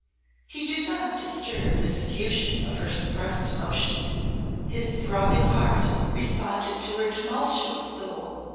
He did not disturb this effusion of her suppressed emotions. His throbbing heart responded to her tumultuous soul.